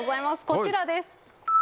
こちらです。